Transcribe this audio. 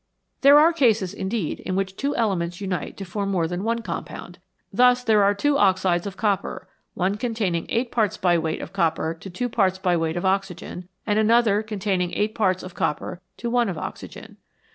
There are cases, indeed, in which two elements unite to form more than one compound. Thus there are two oxides of copper, one containing eight parts by weight of copper to two parts by weight of oxygen, and another containing eight parts of copper to one of oxygen.